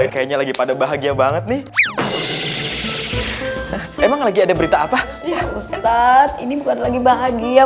kayaknya lagi pada bahagia banget nih emang lagi ada berita apa ya ustadz ini bukan lagi bahagia